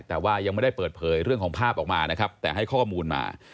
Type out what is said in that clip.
แต่ว่ายังไม่ได้เปิดเผยเรื่องของภาพออกมานะครับแต่ให้ข้อมูลมา